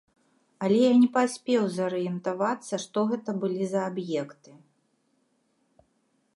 Але я не паспеў зарыентавацца, што гэта былі за аб'екты.